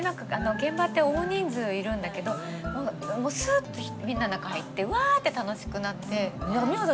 現場って大人数いるんだけどもうすっとみんなの中入ってうわって楽しくなって。